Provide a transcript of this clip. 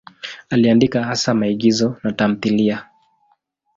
Aliandika hasa maigizo na tamthiliya.